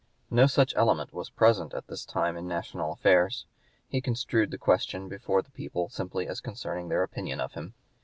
No such element was present at this time in national affairs. He construed the question before the people simply as concerning their opinion of him.